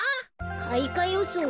かいかよそう？